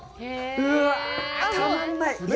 うわ、たまんない。